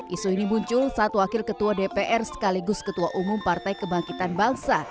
isu ini muncul saat wakil ketua dpr sekaligus ketua umum partai kebangkitan bangsa